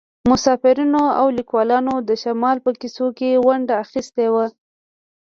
مسافرینو او لیکوالانو د شمال په کیسو کې ونډه اخیستې ده